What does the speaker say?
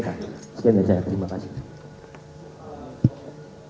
sekian dari saya terima kasih